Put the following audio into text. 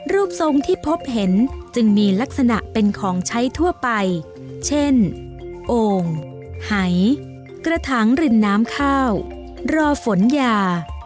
รูปทรงที่พบเห็นจึงมีลักษณะเป็นของใช้ทั่วไปเช่นโอ่งหายกระถางริมน้ำข้าวรอฝนยา